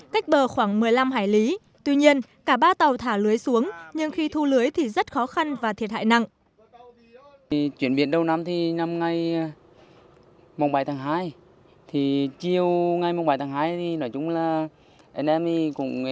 cách bờ khoảng một mươi năm hải lý tuy nhiên cả ba tàu thả lưới xuống nhưng khi thu lưới thì rất khó khăn và thiệt hại nặng